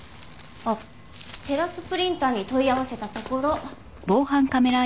あっテラスプリンターに問い合わせたところ。